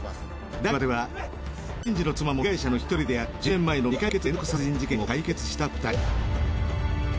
第１話では源次の妻も被害者の１人である１０年前の未解決連続殺人事件を解決した２人。